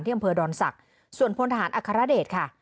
อำเภอดอนศักดิ์ส่วนพลทหารอัครเดชค่ะ